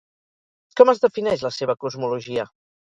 Com es defineix la seva cosmologia?